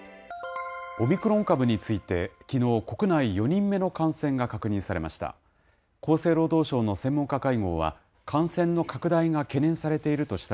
オミクロン株について、きのう、国内４人目の感染が確認されました。